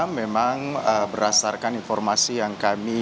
memang berdasarkan informasi yang kami